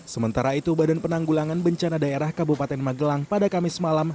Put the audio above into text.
sementara itu badan penanggulangan bencana daerah kabupaten magelang pada kamis malam